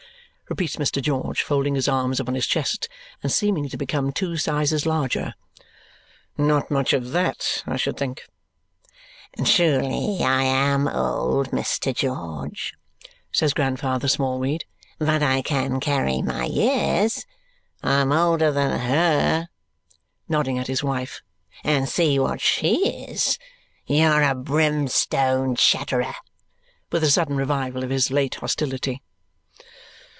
repeats Mr. George, folding his arms upon his chest and seeming to become two sizes larger. "Not much of that, I should think." "Truly I'm old, Mr. George," says Grandfather Smallweed. "But I can carry my years. I'm older than HER," nodding at his wife, "and see what she is? You're a brimstone chatterer!" with a sudden revival of his late hostility.